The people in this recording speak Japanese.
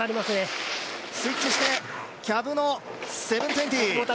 スイッチしてキャブの７２０。